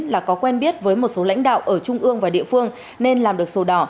là có quen biết với một số lãnh đạo ở trung ương và địa phương nên làm được sổ đỏ